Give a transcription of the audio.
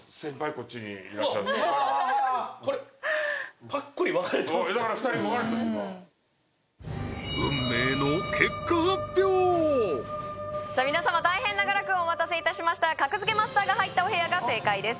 こっちにいらっしゃるうわーこれパックリ分かれてだから２人分かれちゃってさ運命のさあ皆様大変長らくお待たせいたしました格付けマスターが入ったお部屋が正解です